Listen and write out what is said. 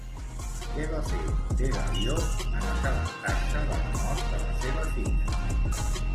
Què va fer, Dedalió, en assabentar-se de la mort de la seva filla?